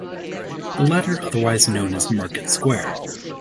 The latter otherwise known as Market Square.